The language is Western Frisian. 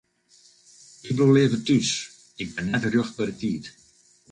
Ik bliuw leaver thús, ik bin net rjocht by de tiid.